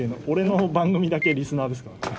俺の番組だけリスナーですから。